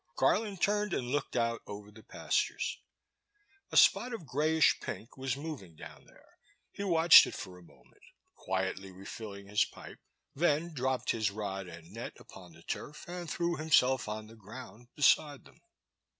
Garland turned and looked out over the pastures. A spot of greyish pink was moving down there. He watched it for a moment, quietly refilling his pipe, then dropped his rod and net upon the turf, and threw himself on the ground beside them.